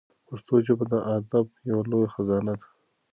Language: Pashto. پښتو ژبه د ادب یوه لویه خزانه ده.